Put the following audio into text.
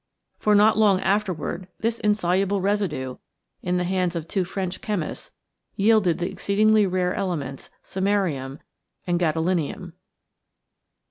For not long afterward this insoluble residue, in the hands of two French chemists, yielded the exceedingly rare elements, samarium and gadolinium.